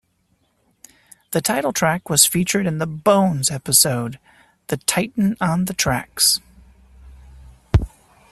The title track was featured in the "Bones" episode The Titan on the Tracks.